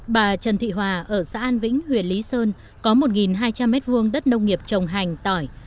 bà trần thị hòa ở xã an vĩnh huyện lý sơn có một hai trăm linh m hai đất nông nghiệp trồng hành tỏi